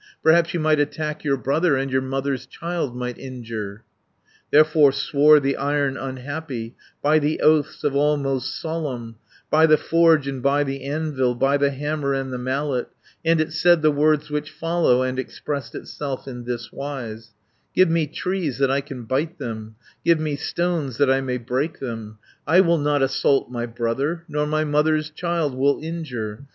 Perhaps you might attack your brother, And your mother's child might injure.' "Therefore swore the Iron unhappy, By the oaths of all most solemn, By the forge and by the anvil, By the hammer and the mallet, 180 And it said the words which follow, And expressed itself in this wise: 'Give me trees that I can bite them, Give me stones that I may break them, I will not assault my brother, Nor my mother's child will injure.